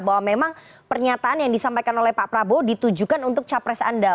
bahwa memang pernyataan yang disampaikan oleh pak prabowo ditujukan untuk capres anda